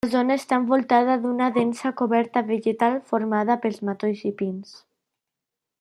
La zona està envoltada d'una densa coberta vegetal formada per matolls i pins.